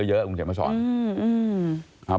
เพราะว่ากูก็เปิดบัญชีที่กรอกเยอะ